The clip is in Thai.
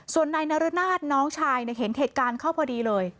ส่วนนายนรนาศน้องชายเห็นเหตุการณ์เข้าพอดีเลย